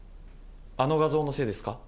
あの画像のせいですか？